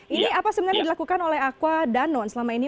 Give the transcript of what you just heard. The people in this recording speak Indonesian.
ini apa sebenarnya dilakukan oleh aqua danone selama ini